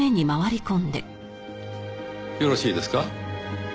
よろしいですか？